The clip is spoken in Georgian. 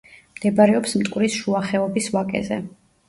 მდებარეობს მტკვრის შუა ხეობის ვაკეზე.